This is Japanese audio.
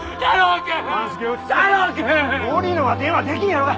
森野が電話できんやろうが。